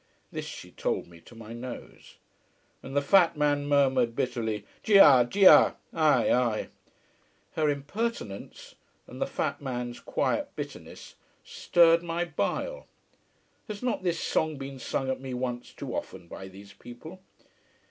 This she told me to my nose. And the fat man murmured bitterly già! già! ay! ay! Her impertinence and the fat man's quiet bitterness stirred my bile. Has not this song been sung at me once too often, by these people?